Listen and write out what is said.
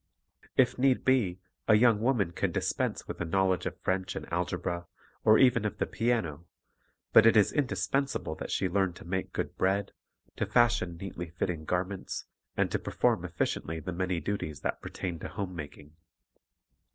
If need be, a young woman can dispense with a knowledge of French and algebra, or even of the piano; but it is indispensable that she learn to make good bread, to fashion neatly fitting garments, and to perform effi ciently the many duties that pertain to home making.